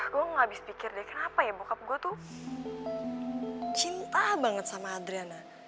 gue gak habis pikir deh kenapa ya bokap gue tuh cinta banget sama adriana